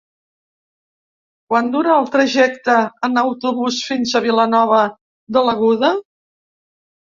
Quant dura el trajecte en autobús fins a Vilanova de l'Aguda?